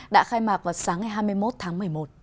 đã khai mạc vào sáng ngày hai mươi một tháng một mươi một